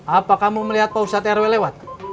apa kamu melihat pak ustadz rw lewat